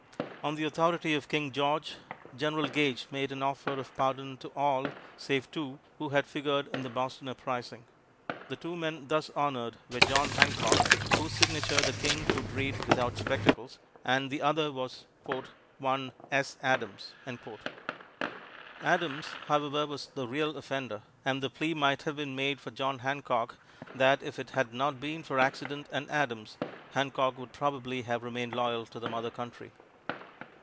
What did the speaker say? On the authority of King George, General Gage made an offer of pardon to all save two who had figured in the Boston uprising. The two men thus honored were John Hancock (whose signature the King could read without spectacles), and the other was "one, S. Adams." Adams, however, was the real offender, and the plea might have been made for John Hancock that, if it had not been for accident and Adams, Hancock would probably have remained loyal to the mother country.